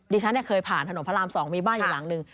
ดิฉันเนี่ยเคยผ่านถนนพระราม๒มีบ้านอยู่หลังนึง